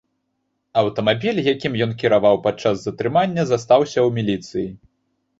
Аўтамабіль, якім ён кіраваў падчас затрымання, застаўся ў міліцыі.